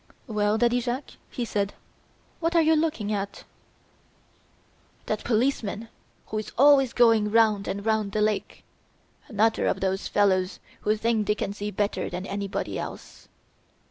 "Well, Daddy Jacques," he said, "what are you looking at?" "That policeman who is always going round and round the lake. Another of those fellows who think they can see better than anybody else!"